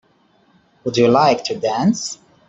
Would you like to dance?